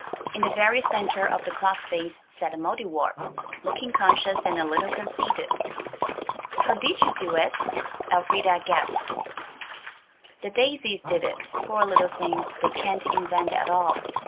In the very centre of the clock face sat the Mouldiwarp, looking conscious and a little conceited. "How did you do it?" Elfrida gasped. "The daisies did it. Poor little things! They can't invent at all.